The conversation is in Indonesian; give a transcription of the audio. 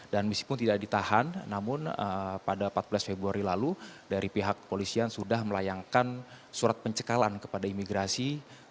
dan meskipun tidak ditahan namun pada empat belas februari lalu dari pihak kepolisian sudah melayangkan surat pencekalan kepada imigrasi